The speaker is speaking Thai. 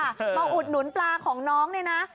มาอุดหนุนปลาของน้องเนี่ยนะ